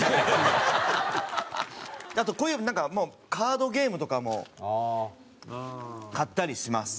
あとこういうなんかもうカードゲームとかも買ったりします。